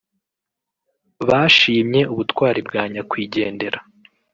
Bashimye ubutwari bwa Banyakwigendera